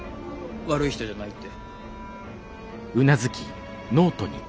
悪い人じゃないって。